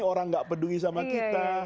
orang gak pedungi sama kita